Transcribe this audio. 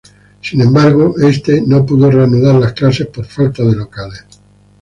Sin embargo, este no pudo reanudar las clases por falta de locales.